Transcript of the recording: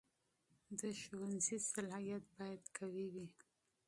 د ښوونځي صلاحیت باید قوي وي.